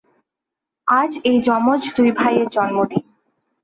আজ এই জমজ দুই ভাইয়ের জন্মদিন।